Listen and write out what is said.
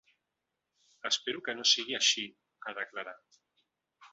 “Espero que no sigui així”, ha declarat.